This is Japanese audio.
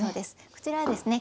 こちらはですね